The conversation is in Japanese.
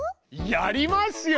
やりますよ！